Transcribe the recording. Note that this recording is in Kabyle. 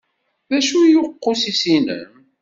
D acu-t uqusis-inem?